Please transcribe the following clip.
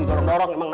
antara motor muhammad